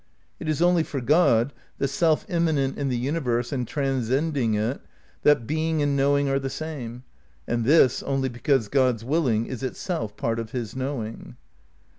It is only for God, the Self immanent in the universe and tran scending it, that being and knowing are the same, and this only because God's willing is itself part of his knowing.